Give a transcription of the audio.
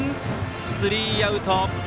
スリーアウト。